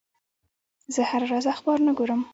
زه هره ورځ اخبار نه ګورم.